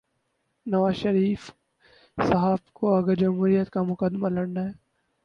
نواز شریف صاحب کو اگر جمہوریت کا مقدمہ لڑنا ہے۔